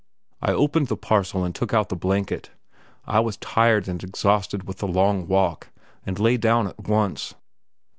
I opened the parcel and took out the blanket; I was tired and exhausted with the long walk, and lay down at once.